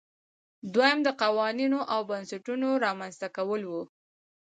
دویم د قوانینو او بنسټونو رامنځته کول وو.